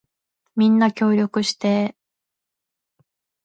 みんな協力してー